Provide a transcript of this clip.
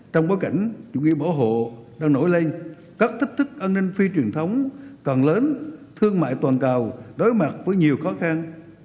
trong bối cảnh chủ nghĩa bảo hộ đang nổi lên các thách thức an ninh phi truyền thống còn lớn thương mại toàn cầu đối mặt với nhiều khó khăn